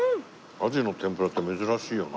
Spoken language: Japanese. アジの天ぷらって珍しいよな。